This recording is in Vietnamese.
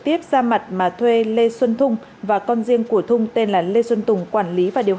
tiếp ra mặt mà thuê lê xuân thung và con riêng của thung tên là lê xuân tùng quản lý và điều